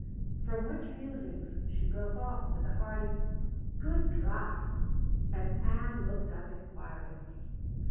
From which musings she broke off with a hearty: "Good drive!" and Ann looked up inquiringly.